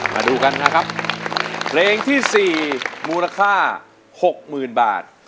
มาดูกันนะครับเพลงที่๔มูลค่า๖๐๐๐บาท